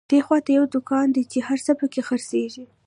دين اخوان ته يو دکان دی، چی هر څه په کی خر څيږی